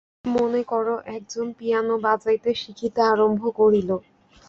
মনে কর, একজন পিয়ানো বাজাইতে শিখিতে আরম্ভ করিল।